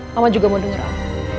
mama juga mau denger al